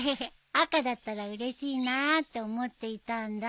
赤だったらうれしいなあって思っていたんだ。